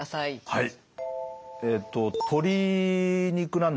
はい。